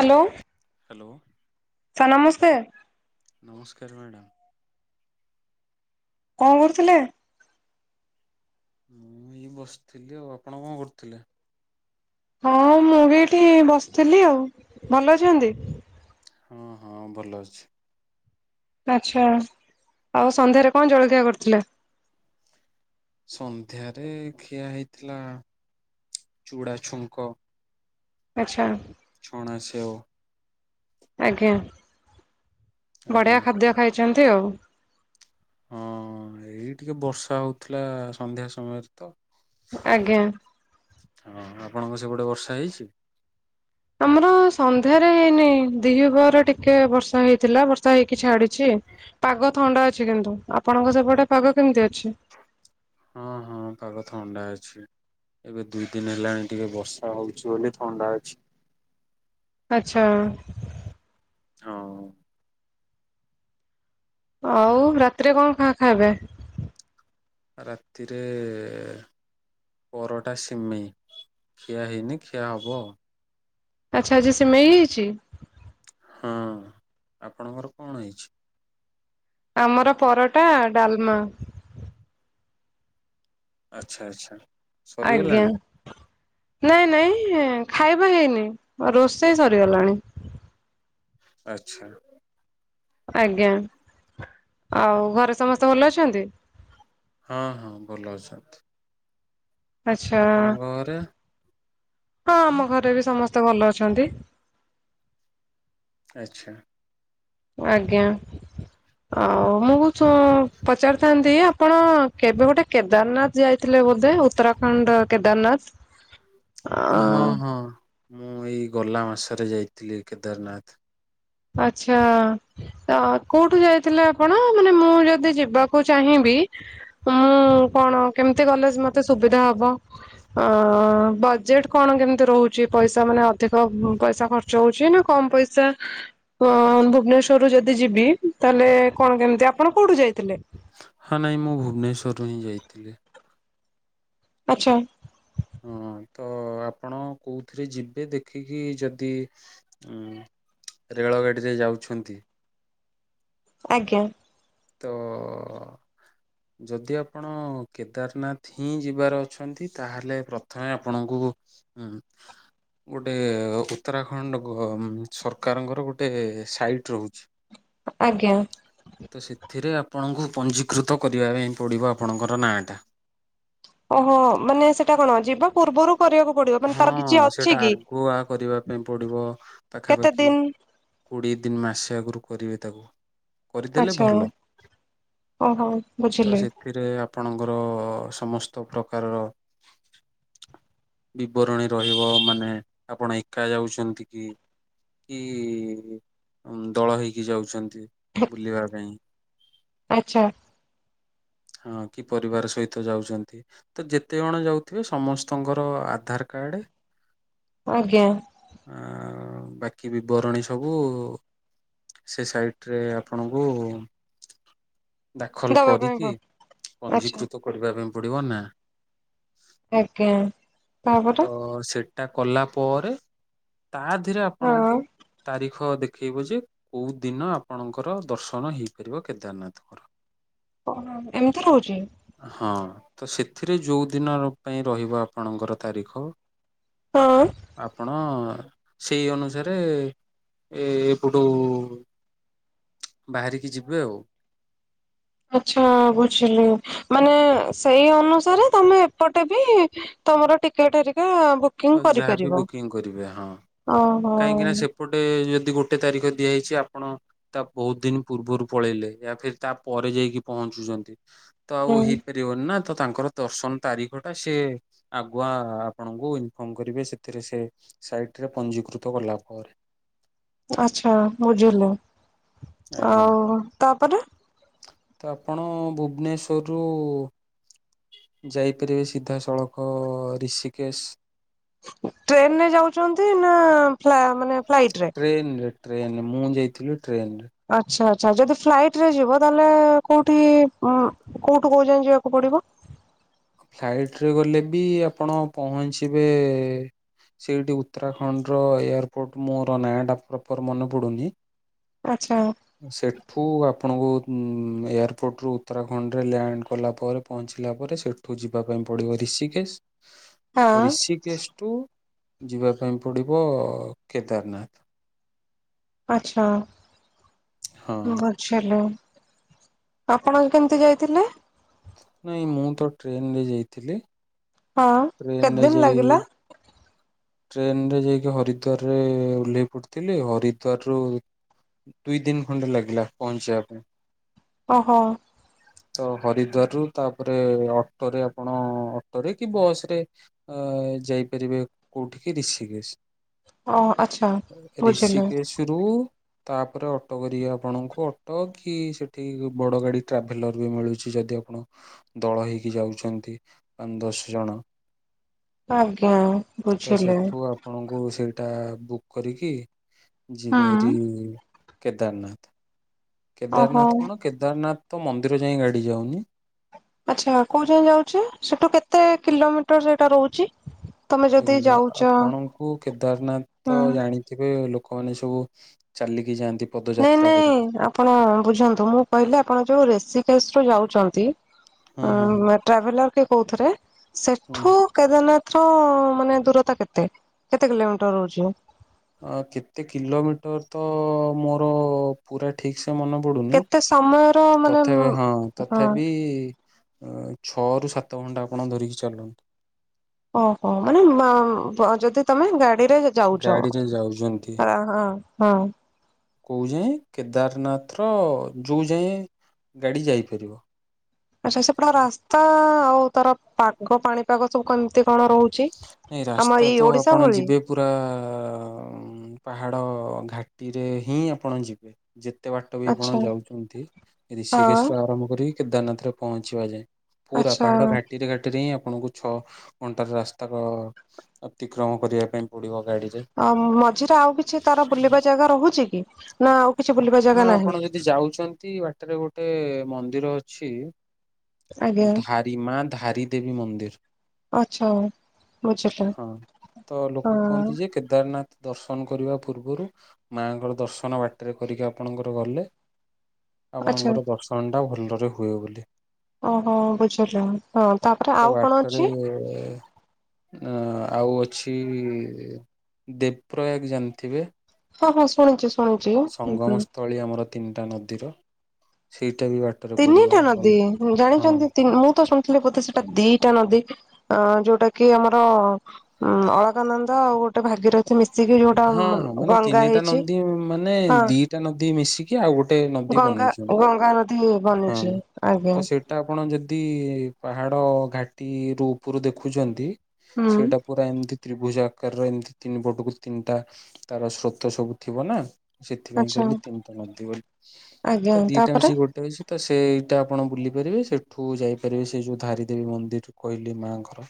Hello. Hello sir, ନମସ୍କାର। ନମସ୍କାର madam. କଣ କରୁଥିଲେ? ମୁଁ ଏଇ ବସିଥିଲି ଆଉ ଆପଣ କଣ କରୁଥିଲେ? ହଁ ମୁଁ ବି ଏଇଠି ବସିଥିଲି ଆଉ, ଭଲ ଅଛନ୍ତି? ହଁ ହଁ ଭଲ ଅଛି। ଆଚ୍ଛା, ଆଉ ସନ୍ଧ୍ୟାରେ କଣ ଜଳଖିଆ କରିଥିଲେ? ସନ୍ଧ୍ୟାରେ ଖିଆ ହେଇଥିଲା ଚୁଡ଼ା ଛୁଙ୍କ। ଆଚ୍ଛା ଛଣା ସେଓ, ଆଜ୍ଞା, ବଢିଆ ଆଜ୍ଞା ଖାଦ୍ୟ ଖାଇଛନ୍ତି ଆଉ। ହଁ, ଏଇ ଟିକେ ବର୍ଷା ହଉଥିଲା ସନ୍ଧ୍ୟା ସମୟରେ। ତ ଆଜ୍ଞା ହଁ, ଆପଣଙ୍କ ସେପଟେ ବର୍ଷା ହେଇଛି? ଆମର ସନ୍ଧ୍ୟାରେ ହେଇନି ଦିହି ପହରେ ଟିକେ ବର୍ଷା ହେଇଥିଲା ବର୍ଷା ହେଇକି ଛାଡିଛି। ପାଗ ଥଣ୍ଡା ଅଛି କିନ୍ତୁ, ଆପଣଙ୍କ ସେପଟେ ପାଗ କେମିତି ଅଛି? ହଁ ହଁ ପାଗ ଥଣ୍ଡା ଅଛି। ଏବେ ଦୁଇ ଦିନ ହେଲାଣି ଟିକେ ବର୍ଷା ହଉଛି ବୋଲି ଥଣ୍ଡା ଅଛି। ଆଚ୍ଛା ହଁ ଆଉ ରାତିରେ କଣ ଖା ଖାଇବେ? ରାତିରେ ପରଟା ସିମେଇ ଖିଆ ହେଇନି ଖିଆ ହବ ଆଉ। ଆଚ୍ଛା ଆଜି ସିମେଇ ହେଇଛି? ହଁ ଆପଣଙ୍କର କଣ ହେଇଛି? ଆମର ପରଟା, ଡାଲମା ଆଚ୍ଛା ଆଚ୍ଛା ଆଜ୍ଞା ସରିଗଲାଣି ନାଇଁ ନାଇଁ ଖାଇବା ହେଇନି ରୋଷେଇ ସରିଗଲାଣି। ଆଚ୍ଛା ଆଜ୍ଞା, ଆଉ ଘରେ ସମସ୍ତେ ଭଲ ଅଛନ୍ତି? ହଁ ହଁ ଭଲ ଅଛନ୍ତି। ଆଚ୍ଛା, ଆପଣଙ୍କ ଘରେ ହଁ ଆମ ଘରେ ବି ସମସ୍ତେ ଭଲ ଅଛନ୍ତି। ଆଚ୍ଛା ଆଜ୍ଞା ଆଉ ମୁଁ କହୁ ଉଁ ପଚାରିଥାନ୍ତି ଥାନ୍ତି ଆପଣ କେବେ ଗୋଟେ କେଦାରନାଥ ଯାଇଥିଲେ ବୋଧେ, ଉତ୍ତରାଖଣ୍ଡ କେଦାରନାଥ? [inaudible] ହଁ ଅ ହଁ ମୁଁ ଏଇ ଗଲା ମାସରେ ଯାଇଥିଲି କେଦାରନାଥ। ଆଚ୍ଛା ତ କୋଉଠୁ ଯାଇଥିଲେ ଆପଣ ମାନେ ମୁଁ ଯଦି ଯିବାକୁ ଚାହିଁବି ତ ମୁଁ କଣ କେମିତି ଗଲେଜ ମତେ ସୁବିଧା ହବ? ଅ ବଜେଟ କଣ କେମିତି ରହୁଛି ପଇସା ମାନେ ଅଧିକ ପଇସା ଖର୍ଚ୍ଚ ହଉଚି ନା କମ ପଇସା? ଅ ଭୁବନେଶ୍ଵର ରୁ ଯଦି ଯିବି ତାହେଲେ କଣ କେମିତି, ଆପଣ କୋଉଠୁ ଯାଇଥିଲେ? ହଁ ନାଇଁ ମୁଁ ଭୁବନେଶ୍ଵରରୁ ହିଁ ଯାଇଥିଲି। ଆଚ୍ଛା। ହଁ ତ ଆପଣ କୋଉଥିରେ ଯିବେ ଦେଖିକି ଯଦି ଉଁ ରେଳ ଗାଡିରେ ଯାଉଛନ୍ତି? ଆଜ୍ଞା। ତ ଯଦି ଆପଣ କେଦାରନାଥ ହିଁ ଯିବାର ଅଛନ୍ତି ତାହେଲେ ପ୍ରଥମେ ଆପଣଙ୍କୁ ହୁଁ। ଗୋଟେ ଉତ୍ତରାଖଣ୍ଡ ସରକାରଙ୍କର ଗୋଟେ ସାଇଟ୍ ରହୁଛି। ଆଚ୍ଛା। ଆଜ୍ଞା। ତ ସେଥିରେ ଆପଣଙ୍କୁ ପଞ୍ଜୀକୃତ କରିବା ପାଇଁ ପଡିବ ଆପଣଙ୍କର ନାଁ ଟା? ଓହୋ ମାନେ ସେଇଟା କଣ ଯିବା ପୂର୍ବରୁ କରିବାକୁ ପଡିବ ମାନେ ହଁ ତାର କିଛି ଅଛି ସେଇଟା କି? ଆଗୁଆ କରିବା ପାଇଁ ପଡିବ କେତେ ପାଖାପାଖି ଦିନ କୋଡ଼ିଏ ଦିନ ମାସେ ଆଗରୁ କରିବେ ତାକୁ। କରିଦେଲେ ଆଛା ଭଲ ଓହୋ ତ ବୁଝିଲି। ସେଥିରେ ଆପଣଙ୍କର ସମସ୍ତ ପ୍ରକାରର ବିବରଣୀ ରହିବ ମାନେ ଆପଣ ଏକା ଯାଉଛନ୍ତି କି? କି ଦଳ ହେଇକି ଯାଉଛନ୍ତି। ବୁଲିବା ପାଇଁ। ଆଚ୍ଛା ହଁ କି ପରିବାର ସହିତ ଯାଉଛନ୍ତି ତ ଯେତେ ଜଣ ଯାଉଥିବେ ସମସ୍ତଙ୍କର ଆ ଆଧାର କାର୍ଡ଼ ଆଜ୍ଞା। ଆ ବାକି ବିବରଣୀ ସବୁ ସେ ସାଇଟ ରେ ଆପଣଙ୍କୁ ଦାଖଲ ଦବା ପାଇଁ କରିକି ପଡୁ ଆଚ୍ଛା ପଞ୍ଜୀକୃତ କରିବା ପାଇଁ ପଡିବ ନା। ଆଜ୍ଞା। ତାପରେ ତ ସେଟା କଲା ପରେ ତା ଦେହରେ ହଁ ଆପଣଙ୍କୁ ତାରିଖ ଦେଖେଇବ ଯେ କୋଉ ଦିନ ଆପଣଙ୍କର ଦର୍ଶନ ହେଇପାରିବ କେଦାରନାଥଙ୍କର। [unintelligible] ଓହୋ ଏମିତି ହଉଛି? ହଁ ତ ସେଥିରେ ଯୋଉ ଦିନ ପାଇଁ ରହିବ ଆପଣଙ୍କର ତାରିଖ। ହଁ ଆପଣ। ସେଇ ଅନୁସାରେ ଏ ଏପଟୁ ବାହାରିକି ଯିବେ ଆଉ ଆଛା ବୁଝିଲି ମାନେ ସେଇ ଅନୁସାରେ ତମେ ଏପଟେ ବି ତମର ଟିକେଟ ହେରିକା ବୁକ୍ ଯାହାବି ବୁକିଂ କରିବେ ହଁ ଓହୋ କାହିଁକି ନା ସେ ସେପଟେ ଯଦି ଗୋଟେ ତାରିଖ ଦିଆହେଇଛି ଆପଣ ତା ବହୁତ ଦିନ ପୂର୍ବରୁ ପଳେଇଲେ ୟା ଫେର ତା ପରେ ଯାଇକି ପହଞ୍ଚୁଛନ୍ତି। ତ ଆଉ ହୁଁ ହେଇପାରିବନି ନା ତ ତାଙ୍କର ଦର୍ଶନ ତାରିଖଟା ସିଏ ଆଗୁଆ ଆପଣଙ୍କୁ କଣ କରିବେ ସେଥିରେ ସେ ସାଇଟରେ ପଞ୍ଜୀିକୃତ କଲା ପରେ ଆଛା ବୁଝିଲି ଆଜ୍ଞା ଆଉ ତାପରେ? ତ ଆପଣ ଭୁବନେଶ୍ୱରରୁ ଯାଇପାରିବେ ସିଧାସଳଖ ଋଷିକେଶ। ଟ୍ରେନରେ ଯାଉଛନ୍ତି ନା ଫ୍ଲା ମାନେ ଫ୍ଲାଇଟ ରେ? ଦେଇନି ଯେ ଟ୍ରେନରେ ମୁଁ ଯାଇଥିଲି ଟ୍ରେନରେ। ଆଚ୍ଛା ଆଚ୍ଛା ଯଦି ଫ୍ଲାଇଟ ରେ ଯିବ ତାହେଲେ କୋଉଠି କୋଉଠୁ କୋଉ ଯାଏ ଯିବାକୁ ପଡିବ? ଫ୍ଲାଇଟ ରେ ଗଲେ ବି ଆପଣ ପହଞ୍ଚିବେ ସେଇଠି ଉତ୍ତରାଖଣ୍ଡର ଏୟାରପୋର୍ଟ ମୋର ନାଁ ଟା ପ୍ରପର ମନେ ପଡ଼ୁନି। ଆଚ୍ଛା। ସେଠୁ ଆପଣଙ୍କୁ ଏୟାରପୋର୍ଟରୁୁ ଉତ୍ତରାଖଣ୍ଡରେ ଲ୍ୟାଣ୍ଡ କଲା ପରେ ପହଞ୍ଚିଲା ପରେ ସେଠୁ ଯିବା ପାଇଁ ପଡିବ ରୀଷିକେଶ ହଁ ରୀଷିକେଶଠୁ ଯିବା ପାଇଁ ପଡ଼ିବ କେଦାରନାଥ। ଆଚ୍ଛା ହଁ ଗ ଚାଲୋ ଆପଣ କେମିତି ଯାଇଥିଲେ? ନାଇଁ ମୁଁ ତ ଟ୍ରେନରେ ଯାଇଥିଲି। ହଁ କେତେ ଟ୍ରେନରେ ଦିନ ଯାଇ ଲାଗିଲା? ଟ୍ରେନରେ ଯାଇକି ହରିଦ୍ୱାରରେ ଓହ୍ଲେଇ ପଡ଼ିଥିଲି ହରିଦ୍ୱାର ରୁ ଦୁଇ ଦିନ ଖଣ୍ଡେ ଲାଗିଲା ପହଞ୍ଚିବା ପାଇଁ। ଓହୋ। [unintelligible] ତ ହରିଦ୍ୱାର ରୁ ତାପରେ ଅଟୋରେ ଆପଣ ଅଟୋରେ କି ବସ ରେ ଅ ଯାଇପାରିବେ କୋଉଠିି କି ରିଶିକେଶ। ଓ ଆଚ୍ଛା ବୁଝିଲୁ। ରୁ ତାପରେ ଅଟୋ କରିକି ଆପଣଙ୍କୁ ଅଟୋ କି ସେଠି ବଡ ଗାଡି ଟ୍ରାଭେଲର ବି ମିଳୁ ଛି ଯଦି ଆପଣ ଦଳ ହେଇକି ଯାଉଛନ୍ତି ପାଞ୍ଚ ଦଶ ଜଣ। ଆଜ୍ଞା। ତ ବୁଝିଲି। ସେଠୁ ଆପଣଙ୍କୁ ସେଇଟା ବୁକ୍ କରିକି। ହୁଁ ଯିବେ ହେରି କେଦାରନାଥ। ଓହୋ କେଦାରନାଥ କଣ କେଦାରନାଥ ତ ମନ୍ଦିର ଯାଇଁ ଗାଡି ଯାଉନି। ଆଚ୍ଛା କୋଉ ଯାଇଁ ଯାଉଛି ସେଠୁ କେତେ କିଲୋମିଟର ସେଇଟା ରହୁଛି? ତମେ ଯଦି ଦେଖନ୍ତୁ ଯାଉଛ ଆପଣଙ୍କୁ କେଦାରନାଥ ହୁଁ ତ ଜାଣି ଥିବେ ଲୋକମାନେ ସବୁ ଚାଲିକି ଯାଆନ୍ତି। ନାଇଁ ପଦଯାତ୍ରା ନାଇଁ କରିକି। ଆପଣ ବୁଝାନ୍ତୁ ମୁଁ କହିଲି ଆପଣ ଯୋଉ ରେଷିକେଶ ରୁ ଯାଉଛନ୍ତି। ହଁ ଅ ହଁ ହଁ। ଟ୍ରାଭେଲର କି କୋଉଥିରେ ହୁଁ ସେଠୁ। କେଦାରନାଥ ର ମାନେ ଦୂରତା କେତେ କେତେ କିଲୋମିଟର ରହୁଛି? କେତେ କିଲୋମିଟର ତ ମୋର। ପୁରା ଠିକ ସେ ମନେ ପଡୁନି କେତେ ସମୟର ମାନେ ତଥାପ ହଁ ହଁ ତଥାପି। ଛଅ ରୁ ସାତ ଘଣ୍ଟା ଆପଣ ଧରିକି ଚାଲନ୍ତୁ। ଓହୋ ମାନେ ମା ଯଦି ତମେ ଗାଡିରେ। ଯାଉଛ ହଁ ଗାଡିରେ ଯାଉଛନ୍ତି ହଁ ହଁ କୋଉ ଯାଏଁ କେଦାରନାଥର ଯୋଉ ଯାଏଁ ଗାଡ଼ି ଯାଇପାରିବ। ଆଚ୍ଛା ସେପଟା ରାସ୍ତା ଆଉ ତାର ପାଗ ପାଣିପାଗ ସବୁ କେମିତି କଣ ରହୁ ଛି ନାଇଁ ଆମ ରାସ୍ତା ଏଇ ତ ଓଡିଶା ଆପଣ ଭଳି? ଯିବେ ପୁରା ପାହାଡ଼ ଘାଟିରେ ହିଁ ଆପଣ ଯିବେ। ଯେତେ ବାଟ ବି ଆପଣ ଆଚ୍ଛା ଯାଉଛନ୍ତି ରୀଷିକେଶ ହଁ ରୁ ଆରମ୍ଭ କରି। କେଦାରନାଥ ରେ ପହଞ୍ଚିବା ଯାଏ ପୁରା ଆଚ୍ଛା ପାହାଡ ଘାଟିରେ ଘାଟିରେ ହିଁ ଆପଣଙ୍କୁ ଛଅ ଘଣ୍ଟାର ରାସ୍। [unintelligible] ଅତିକ୍ରମ କରିବା ପାଇଁ ପଡିବ ଗାଡିଯେ। ଆ ମଝିରେ ଆଉ କିଛି ତାର ବୁଲିବା ଜାଗା ରୋହୁଚି କି ନା ଆଉ? କିଛି ବୁଲିବା ଜାଗା ହଁ ନାହିଁ ଆପଣ ଯଦି ଯାଉଚନ୍ତି ବାଟରେ ଗୋଟେ ମନ୍ଦିର ଅଛି। ଆଜ୍ଞା ଧାରି ମା ଧାରି ଦେବୀ ମନ୍ଦିର। ଆଚ୍ଛା ବୁଝିଲି ହଁ ତ ଲୋକ କୁହନ୍ତି ହଁ। ଯେ କେଦାରନାଥ। ଦର୍ଶନ କରିବା ପୂର୍ବରୁ ମାଙ୍କର ଦର୍ଶନ ବାଟରେ କରିକି ଆପଣଙ୍କର ଗଲେ ଆଚ୍ଛା ଆପଣଙ୍କର ଦର୍ଶନ ଟା ଭଲରେ ହୁଏ ବୋଲି। ଓହୋ ବୁଝିଲି ହଁ ତାପରେ ତ ଆଉ କଣ ଅଛି? [unintelligible] ଅ ଆଉ ଅଛି ଦେବପ୍ରୟାଗ ଜାଣିଥିବେ? ହଁ ହଁ ଶୁଣିଚି। ସଙ୍ଗମ ସ୍ଥଳୀ ଆମର ତିନିଟା ନଦୀର ସେଇଟା ବି ବାଟ ତିନିଟା ନଦୀ ଜାଣିଚନ୍ତି ମୁଁ ତ ଶୁ ଥିଲେ ବୋଧେ ସେଟା ଦିଇଟା ନଦୀ ଅ ଯୋଉଟା କି ଆମର ହୁଁ ଅଳକାନନ୍ଦ ଆଉ ଗୋଟେ ଗୋଟେ ଭାଗିରଥି ମିଶିକି ଯୋଉଟା ହଁ ହଁ ମାନେ ଗଙ୍ଗା ତିନିଟା ହେଇଚି ନଦୀ ମାନେ ହଁ। ଦିଟା ନଦୀ ମିଶିକି ଆଉ ଗୋଟେ ନଦୀ ଗଙ୍ଗା ବନେଇଛନ୍ତି। ଗଙ୍ଗା ନଦୀ ବନିଚି ଆଜ୍ଞା। ସେଟା ଆପଣ ଯେଦି ପାହାଡ ଘାଟି ରୁ ଉପରୁ ଦେଖୁଚ ନ୍ତି ହୁଁ। ସେଟା ପୁରା ଏମିତି ତ୍ରିଭୁଜ ଆକାରର ଏମିତି ତିନି ପଟକୁ ତିନିଟା ତାର ସ୍ରୋତ ସବୁ ଥିବ ନା। ସେଥିପାଇଁ ଆଚ୍ଛା କହିଲି ତିନିଟା ନଦୀ ବୋଲି ତ ଆଜ୍ଞା ଦିଟା ତାପରେ ମିଶି ଗୋଟେ ହେଇଚି ତ ସେ ଏଇଟା ଆପଣ ବୁଲିପାରିବେସେଠୁ ଯାଇପାରିବେ ସେ ଯୋଉ ଧାରିଦେବୀ ମନ୍ଦିର କହିଲି ମାଆଙ୍କର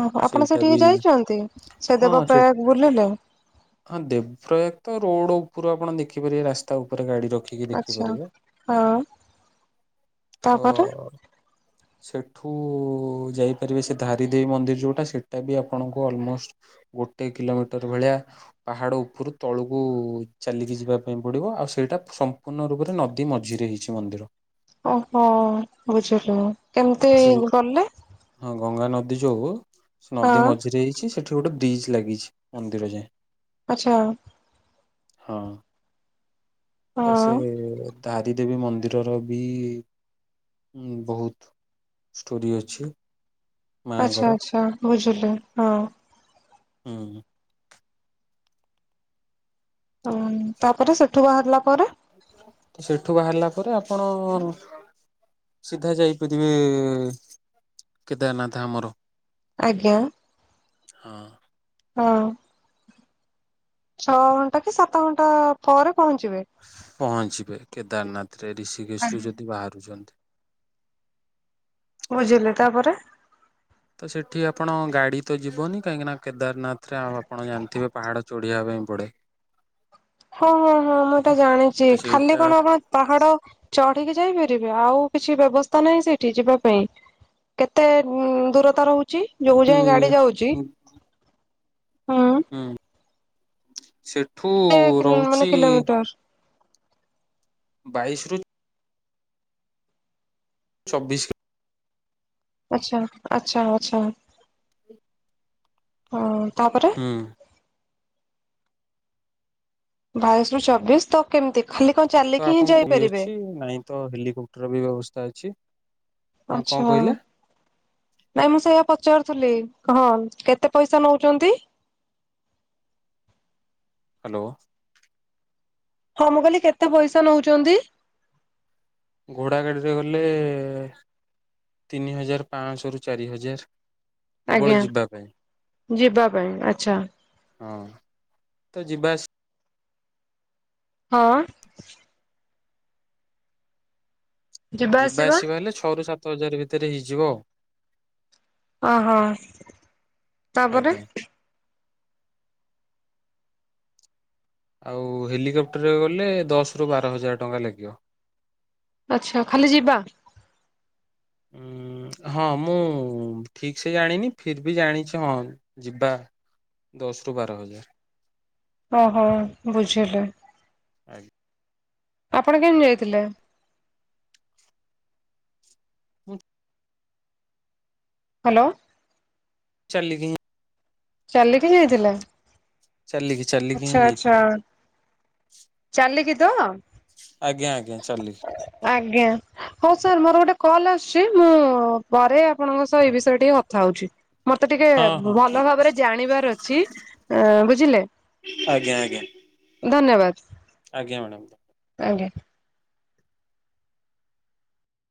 ଓହୋ ଆପଣ ସେଇଟା ସେଠିକି ବି ଯାଇଚନ୍ତି ସେ ଦେବ ପ୍ରାୟାଗ ବୁଲିଲେ? ହଁ ଦେବ ପ୍ରୟାଗ ତ ରୋଡ ଉପରୁ ଆପଣ ଦେଖିପାରିବେ ରାସ୍ତା ଉପରେ ଗାଡି ରଖି ଆଛା ହଁ ତାପରେ? ଁ [inaudible] ସେଠୁ ଯାଇପାରିବେ ସେ ଧାରିଦେବୀ ମନ୍ଦିର ଯୋଉଟା ସେଟା ବି ଆପଣଙ୍କୁ ଅଲମୋଷ୍ଟ ଗୋଟେ କିଲୋମିଟର ଭଳିଆ ପାହାଡ଼ ଉପୁରୁ ତଳକୁ ଚାଲିକି ଯିବା ପାଇଁ ପଡିବ ଆଉ ସେଇଟା ସମ୍ପୁ ସମ୍ପୂର୍ଣ୍ଣ ରୂପରେ ନଦୀ ମଝିରେ ହେଇଛି ମନ୍ଦିର। ଓହୋ ବୁଝିଲୁ କେମିତି ସେ ଯୋଉ ଗଲେ? ହଁ ଗଙ୍ଗା ନଦୀ ଯୋଉ ସେ ହଁ ନଦୀ ମଝିରେ ହେଇଛି ସେଠି ଗୋଟେ ବ୍ରିଜ ଲାଗିଛି ମନ୍ଦିର ଯାଏଁ। ଆଛା। ହଁ। ହଁ ତ ସେ ତାରି ଦେବୀ ମନ୍ଦିରର ବି ବୋହୁତ ଷ୍ଟୋରି ଅଛି। ମାଙ୍କର ଆଛା ଆଛା ବୁଝିଲି ହଁ। ହୁଁ। ହଁ ତାପରେ ସେଠୁ ବାହାରିଲା ପରେ? ସେଠୁ ବାହାରିଲା ପରେ ଆପଣ ସିଧା ଯାଇପାରିବେ କେଦାରନାଥ ଆମର। ଆଜ୍ଞା। ହଁ ହଁ ଛଅ ଘଣ୍ଟା କି ସାତ ଘଣ୍ଟା ପରେ ପହଞ୍ଚିବେ। ପହଞ୍ଚିବେ କେଦାରନାଥରେ ଋଷିକେଶରୁ ଯଦି ବାହାରୁଚନ୍ତି। ବୁଝିଲେ ତାପରେ? ତ ସେଠି ଆପଣ ଗାଡି ତ ଯିବନି କାହିଁକି ନା କେଦାରନାଥ ଥିରେ ଆଉ ଆପଣ ଜାଣିଥିବେ ପାହାଡ ଚୋଢିଆ ପାଇଁ ପଡେ। ହଁ ହଁ ହଁ ମୁଁ ଏଇଟା ଜାଣିଚି ତ ଖାଲି ସେଇଟା କଣ ଆବାଜ୍ ପାହାଡ ଚଢିକି ଯାଇପାରିବେ ଆଉ କିଛି ବ୍ୟବସ୍ଥା ନାହିଁ ସେଇଠି ଯିବା ପାଇଁ? କେତେ ଦୂରତା ଉଁ ରୋହୁଚି ଯୋଉ ଉ ଯାଏ ଗାଡି ଯାଉଛି ହୁଁ ହୁଁ। ହୁଁ ସେଠୁ କେତେ ମାନେ ରୋହୁଛି କିଲୋମିଟର ବାଇଶ୍ ରୁ ଚବିଶି। ଆଚ୍ଛା ଆଚ୍ଛା ଆଚ୍ଛା ହଁ ତାପରେ? ହୁଁ। ବାଇଶ ରୁ ଚବିଶ ତ କେମ୍ତି ଖାଲି କଁ ତ ଚାଲିକି ହିଁ ଆପଣଙ୍କୁ ବି ଯାଇପାରିବେ? ଅଛି ନାଇଁ ତ ହେଲିକପ୍ଟର ବି ବ୍ୟବସ୍ଥା ଅଛି। ହଁ କଣ ଆଚ୍ଛା। କହିଲେ ନାଇଁ ମୁଁ ସେଇଆ ପଚାରୁଥୁଲି କହ କେତେ ପଇସା ନୋଉଚନ୍ତି? ହାଲୋ ହଁ ମୁଁ କଇଲି କେତେ ପଇସା ନୋଉଚନ୍ତି? ଘୋଡ଼ା ଗାଡ଼ିରେ ଗଲେ ତିନି ହଜାର ପାଆଁଶରୁ ଚାରି ହଜାର। କେବଳ ଆଜ୍ଞା ଯିବା ପାଇଁ। ଯିବା ପାଇଁ ଆଚ୍ଛା ହଁ, ତ ଯିବା ଆସି ହଁ। ଯିବା ଆସିବା ହେଲେ ଛଅ ରୁ ସାତ ହଜାର ଭିତେରେ ହେଇଯିବ। ଓ ହଁ ତାପରେ? ଆଜ୍ଞା। ଆଉ ହେଲିକପ୍ଟରରେ ଗଲେ ଦଶରୁ ବାର ହଜାର ଟଙ୍କା ଲାଗିବ। ଆଚ୍ଛା ଖାଲି ଯିବା? ଉଁ ହଁ ମୁଁ ଠିକ୍ ସେ ଜାଣିନି ଫିର୍ ବି ଜାଣିଛି ହଁ। ଯିବା ଦଶ୍ ରୁ ବାର ହଜାର। ଓହୋ ବୁଝିଲି ଆଜ୍ଞା। ଆପଣ କେମିତି ଯାଇଥିଲେ? ମୁଁ ହାଲୋ ଚାଲିକି ହିଁ। ଚାଲିକି ଯାଇଥିଲା? ଚାଲିକି। ଚାଲିକି ହିଁ ଆଚ୍ଛା ଆଚ୍ଛା ଯାଇଥିଲି ଚାଲିକି ତ? ଆଜ୍ଞା ଆଜ୍ଞା ଚାଲିକି। ଆଜ୍ଞା। ହଁ ସାର୍ ମୋର ଗୋଟେ କଲ୍ ଆସୁଛି ମୁଁ ପରେ ଆପଣଙ୍କ ସହ ଏ ବିଷୟ ରେ ଟିକେ କଥା ହୋଉଛି। ମତେ ଟିକେ ହଁ ହଁ ଭଲ ଠିକ ଭାବରେ ଜାଣିବାର ଅଛି ଅଁ ବୁଝିଲେ? ଆଜ୍ଞା ଆଜ୍ଞା। ଧନ୍ୟବାଦ ଆଜ୍ଞା ମ୍ୟାଡ଼ାମ। ଆଜ୍ଞା।